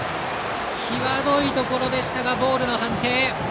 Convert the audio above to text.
際どいところでしたがボールの判定。